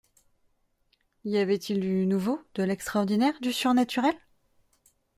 Y avait-il du nouveau, de l’extraordinaire, du surnaturel ?…